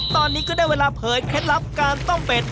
ตอนนี้ก็ได้เวลาเผยเคล็ดลับการต้มเป็ด